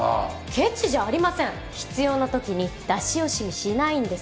けちじゃありません必要なときに出し惜しみしないんです。